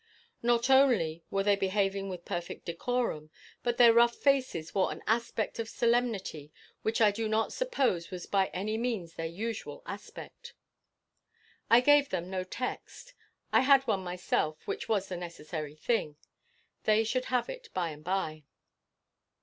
Not only were they behaving with perfect decorum, but their rough faces wore an aspect of solemnity which I do not suppose was by any means their usual aspect. I gave them no text. I had one myself, which was the necessary thing. They should have it by and by.